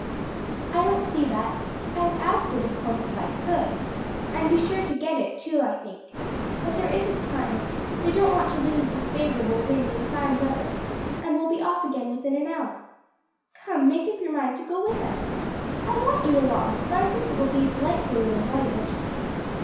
"I don't see that. I'd ask it, of course, if I could and be sure to get it, too, I think but there isn't time; they don't want to lose this favorable wind and fine weather, and will be off again within an hour. Come, make up your mind to go with us: I want you along, for I think it will be a delightful little voyage."